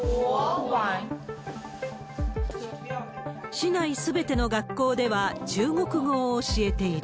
市内すべての学校では、中国語を教えている。